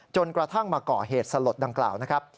จนกระทั่งมาก่อเหตุสลดดังกล่าวนะครับ